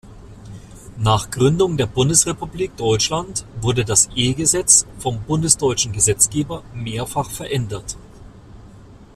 Nach Gründung der Bundesrepublik Deutschland wurde das Ehegesetz vom bundesdeutschen Gesetzgeber mehrfach verändert.